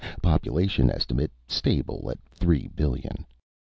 Population estimate: stable at three billion.